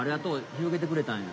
ひろげてくれたんや。